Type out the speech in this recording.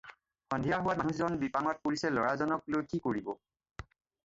সন্ধিয়া হোৱাত মানুহজন বিপাঙত পৰিছে ল'ৰাজনক লৈ কি কৰিব।